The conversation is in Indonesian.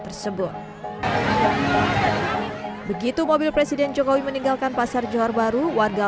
tersebut begitu mobil presiden jokowi meninggalkan pasar johar baru warga